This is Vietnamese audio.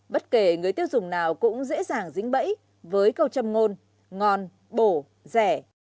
bất kể người tiêu dùng nào cũng dễ dàng dính bẫy với câu châm ngôn ngon bổ rẻ